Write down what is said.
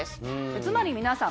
つまり皆さん